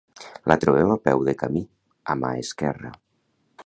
La trobem a peu de camí, a mà esquerra.